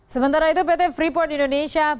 sementara itu pt freeport indonesia